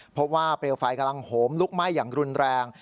เพราะว่าเปลวไฟกำลังโหมลุกไหม้อย่างรุนแรง